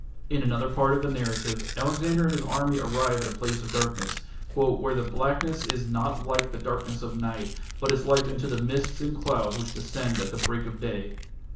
In another part of the narrative Alexander and his army arrive at a place of darkness "where the blackness is not like the darkness of night, but is like unto the mists and clouds which descend at the break of day".